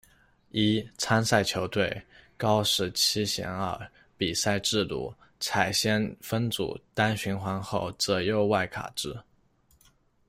一、参赛球队：高市七贤二、比赛制度：采先分组单循环后择优外卡制。